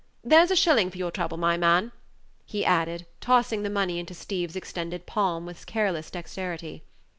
There's a shilling for your trouble, my man," he added, tossing the money into Steeve's extended palm with careless dexterity.